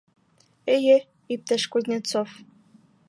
— Эйе, иптәш Кузнецов.